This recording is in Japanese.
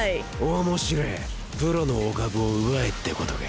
面白ェプロのお株を奪えってことか。